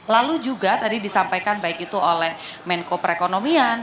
lalu juga tadi disampaikan baik itu oleh menko perekonomian